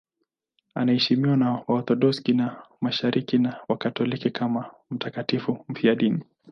Anaheshimiwa na Waorthodoksi wa Mashariki na Wakatoliki kama mtakatifu mfiadini.